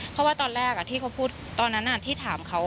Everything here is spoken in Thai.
เพราะว่าตอนแรกที่เขาพูดตอนนั้นที่ถามเขา